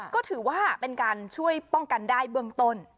ก็ถือว่าเป็นการช่วยป้องกันได้เบื้องต้น